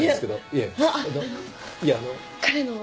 いや。